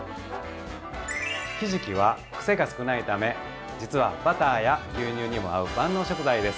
ひじきはくせが少ないため実はバターや牛乳にも合う万能食材です。